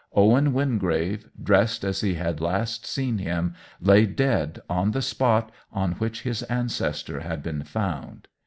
Owen Win grave, dressed as he had last seen him, lay dead on the spot on which his ancestor had been found.